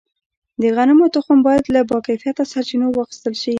د غنمو تخم باید له باکیفیته سرچینو واخیستل شي.